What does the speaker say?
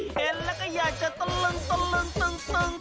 เห็นแล้วก็อยากจะตะลึงตึงเลยละครับ